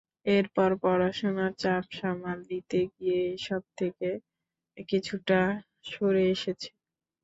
এরপর পড়াশোনার চাপ সামাল দিতে গিয়ে এসব থেকে কিছুটা সরে এসেছে।